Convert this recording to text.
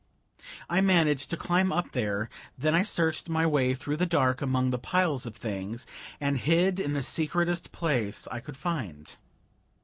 I managed to climb up there, then I searched my way through the dark among the piles of things, and hid in the secretest place I could find.